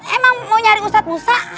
emang mau nyari ustadz musa